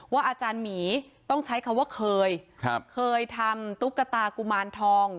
อาจารย์หมีต้องใช้คำว่าเคยครับเคยเคยทำตุ๊กตากุมารทอง